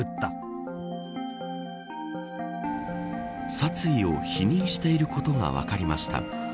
殺意を否認していることが分かりました。